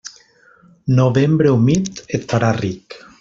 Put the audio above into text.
Novembre humit, et farà ric.